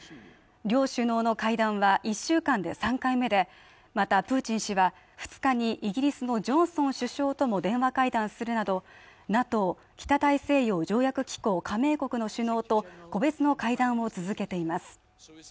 両首脳の会談は１週間で３回目でまたプーチン氏は２日にイギリスのジョンソン首相とも電話会談するなどＮＡＴＯ＝北大西洋条約機構加盟国の首脳と個別の会談を続けています